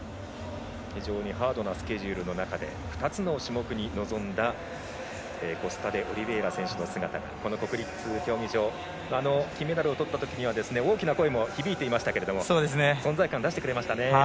非常にハードなスケジュールの中で２つの種目に挑んだコスタデオリベイラ選手の姿がこの国立競技場金メダルをとったときには大きな声も響いていましたが存在感、出してくれましたね。